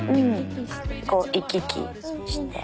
こう行き来して。